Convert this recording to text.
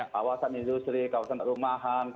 kawasan industri kawasan rumahan